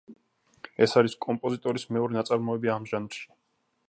ეს არის კომპოზიტორის მეორე ნაწარმოები ამ ჟანრში.